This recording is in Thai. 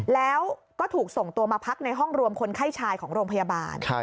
แล้วก็ถูกส่งตัวมาพักในห้องรวมคนไข้ชายของโรงพยาบาล